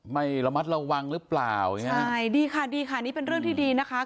ไม่ระมัดระวังหรือเปล่าอย่างเงี้ยใช่ดีค่ะดีค่ะนี่เป็นเรื่องที่ดีนะคะ